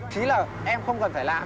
chí là em không cần phải làm